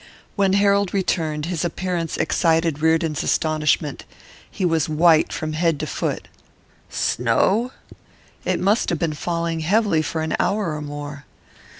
When Harold returned, his appearance excited Reardon's astonishment he was white from head to foot. 'Snow?' 'It must have been falling heavily for an hour or more.